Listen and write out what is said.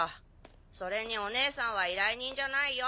それにおねえさんは依頼人じゃないよ。